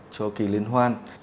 cho kỳ liên hoan